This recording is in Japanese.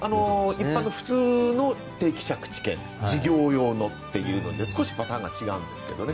一般の普通の定期借地権事業用のというので少しパターンが違うんですけどね